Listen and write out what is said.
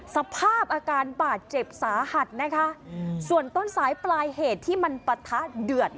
สภาพอาการบาดเจ็บสาหัสนะคะส่วนต้นสายปลายเหตุที่มันปะทะเดือด